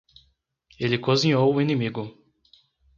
Ele cozinhou o inimigo.